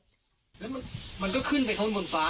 แล้วมันก็ขึ้นไปข้างบนฟ้า